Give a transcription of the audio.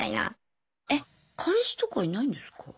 え彼氏とかいないんですか？